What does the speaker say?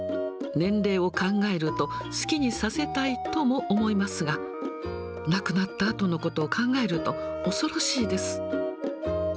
年齢を考えると、好きにさせたいとも思いますが、亡くなったあとのことを考えると、恐ろしいです。